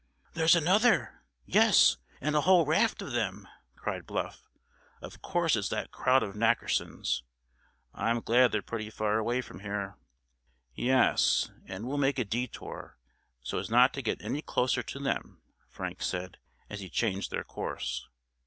"There's another—yes, and a whole raft of them!" cried Bluff. "Of course it's that crowd of Nackerson's. I'm glad they're pretty far away from here." "Yes, and we'll make a detour, so as not to get any closer to them," Frank said, as he changed their course.